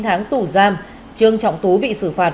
chín tháng tủ giam trương trọng tú bị xử phạt